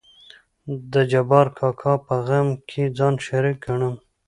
د جبار کاکا په غم کې ځان شريک ګنم.